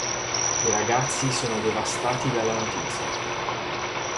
I ragazzi sono devastati della notizia.